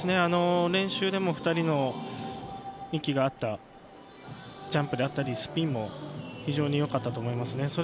練習でも２人の息が合ったジャンプだったり、スピンも非常によかったと思いますね。